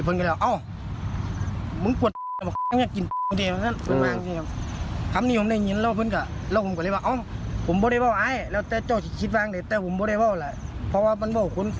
เพราะว่ามันไม่คุ้นฟังตรงข้ามกัน